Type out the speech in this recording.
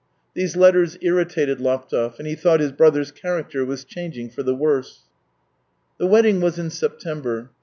These letters irritated Laptev, and he thought his brother's character was changing for the worse. The wedding was in September.